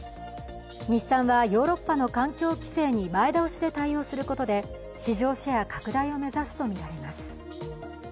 日産はヨーロッパの環境規制に前倒しで対応することで、市場シェア拡大を目指すとみられます。